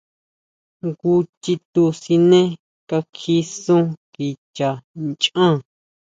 Jngu chitu siné kakji sún kicha nhán.